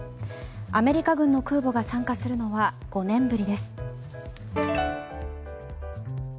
アメリカ軍の空母が参加するのは５年ぶりです。